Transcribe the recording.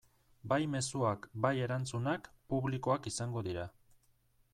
Bai mezuak bai erantzunak publikoak izango dira.